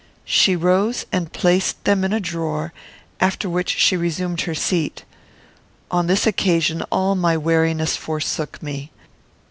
She rose and placed them in a drawer, after which she resumed her seat. On this occasion all my wariness forsook me.